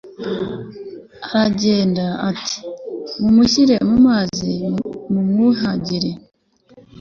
aragenda ati 'mumushyire amazi mumwuhagire